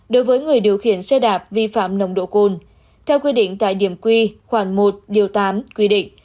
đối với người điều khiển xe đạp vi phạm nồng độ cồn theo quy định tại điểm quy khoảng một điều tám quy định